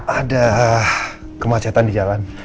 ada kemacetan di jalan